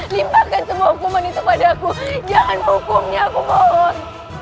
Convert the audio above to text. limbahkan semua hukuman itu pada aku jangan hukumnya aku mohon